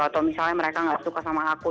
atau misalnya mereka nggak suka sama aku